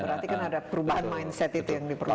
berarti kan ada perubahan mindset itu yang diperlukan